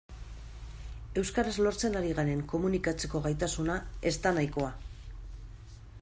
Euskaraz lortzen ari garen komunikatzeko gaitasuna ez da nahikoa.